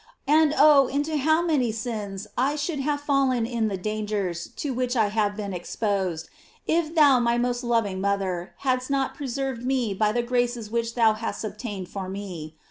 And oh, into how many sins I should have fallen in the dangers to which I r ve been exposed, if thou, my most loving mother, hadst not preserved me by the graces which thou hast obtained for me